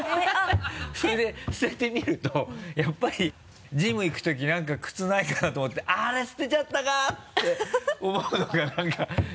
それで捨ててみるとやっぱりジム行く時なんか靴ないかなと思ってあれ捨てちゃったかって思うのがなんか